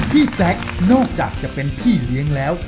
แซคนอกจากจะเป็นพี่เลี้ยงแล้ว